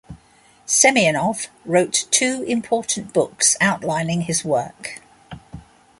Semyonov wrote two important books outlining his work.